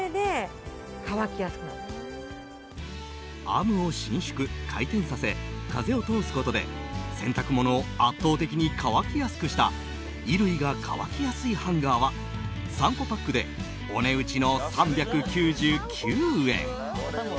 アームを伸縮・回転させ風を通すことで洗濯物を圧倒的に乾きやすくした衣類が乾きやすいハンガーは３個パックでお値打ちの３９９円！